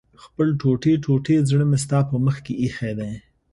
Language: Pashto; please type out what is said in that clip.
خپل ټوټې ټوټې زړه مې ستا په مخ کې ايښی دی